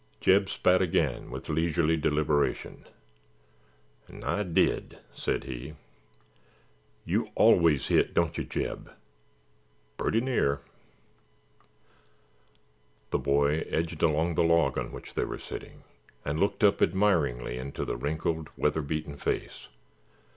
Jeb spat again with leisurely deliberation. "'N' I did," said he. "You always hit, don't you, Jeb?" "Purty near." The boy edged along the log on which they were sitting and looked up admiringly into the wrinkled, weatherbeaten face.